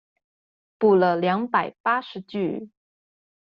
補了兩百八十句